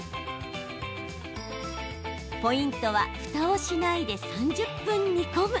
ポイントはふたをしないで３０分煮込む。